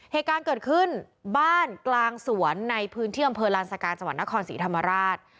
เหตุการณ์เกิดขึ้นบ้านกลางสวนในพื้นที่อำเภอลานสกาจังหวัดนครศรีธรรมราช